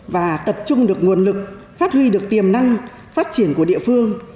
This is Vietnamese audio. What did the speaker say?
và tập trung được nguồn lực phát huy được tiềm năng phát triển của địa phương